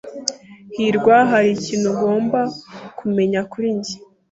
hirwa, hari ikintu ugomba kumenya kuri njye.